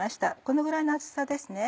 このぐらいの厚さですね。